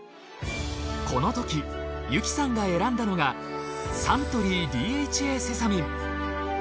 このとき由紀さんが選んだのがサントリーＤＨＡセサミン。